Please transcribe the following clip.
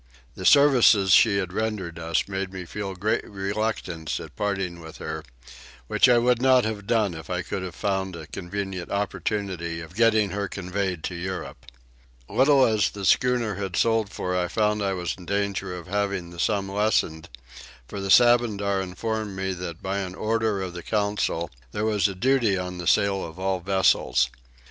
The services she had rendered us made me feel great reluctance at parting with her; which I would not have done if I could have found a convenient opportunity of getting her conveyed to Europe. Little as the schooner had sold for I found I was in danger of having the sum lessened; for the Sabandar informed me that by an order of the council there was a duty on the sale of all vessels.